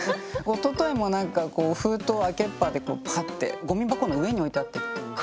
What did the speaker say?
おとといもなんか封筒を開けっぱでこうパッてゴミ箱の上に置いてあって。